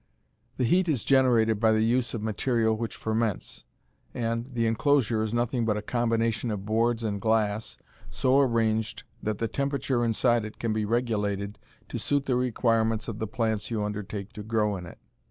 The heat is generated by the use of material which ferments, and the inclosure is nothing but a combination of boards and glass so arranged that the temperature inside it can be regulated to suit the requirements of the plants you undertake to grow in it.